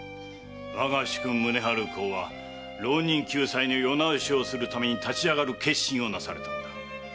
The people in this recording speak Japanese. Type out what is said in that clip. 我が主君・宗春公は浪人救済の世直しをするために立ち上がる決心をなされたのだ。